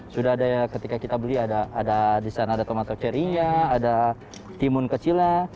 sudah ada ya ketika kita beli ada di sana ada tomato ceria ada timun kecilnya